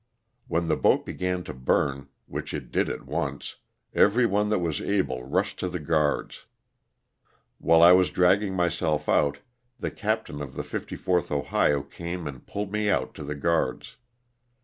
When the boat began to burn, which it did at once, every one that was able rushed to the guards. While I was dragging myself out the captain of the 54th Ohio came and pulled me out to the guards.